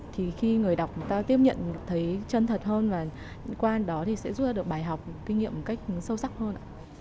thì khi người đọc người ta tiếp nhận thấy chân thật hơn và quan đó thì sẽ giúp ra được bài học kinh nghiệm một cách sâu sắc hơn